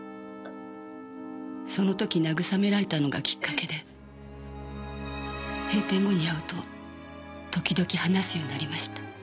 その時慰められたのがきっかけで閉店後に会うと時々話すようになりました。